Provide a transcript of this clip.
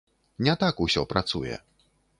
Не так усё працуе.